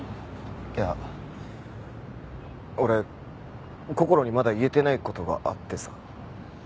いや俺こころにまだ言えてない事があってさ。